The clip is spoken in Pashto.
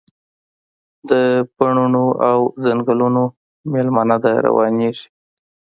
د بڼوڼو او ځنګلونو میلمنه ده، روانیږي